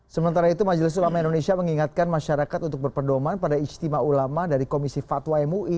sementara itu majelis ulama indonesia mengingatkan masyarakat untuk berperdoman pada ijtima ulama dari komisi fatwa mui